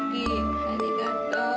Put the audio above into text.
ありがとう。